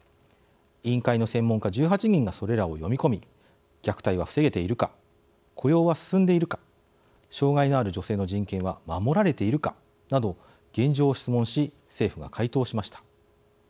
委員会の専門家１８人がそれらを読み込み虐待は防げているか雇用は進んでいるか障害のある女性の人権は守られているかなど現状を質問し政府が回答しました。